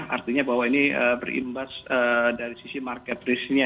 artinya bahwa ini berimbas dari sisi market risk nya